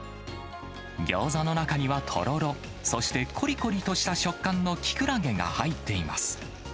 ギョーザの中にはとろろ、そしてこりこりとした食感のキクラゲが入っています。